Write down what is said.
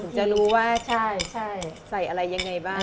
ถึงจะรู้ว่าใส่อะไรยังไงบ้าง